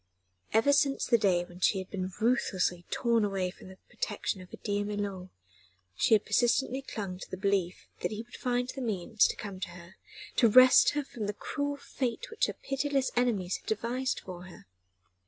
Ever since the day when she had been ruthlessly torn away from the protection of her dear milor, she had persistently clung to the belief that he would find the means to come to her, to wrest her from the cruel fate which her pitiless enemies had devised for her.